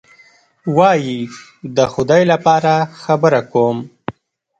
وایي: د خدای لپاره خبره کوم.